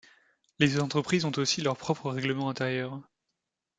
Les entreprises ont aussi leurs propres règlements intérieurs.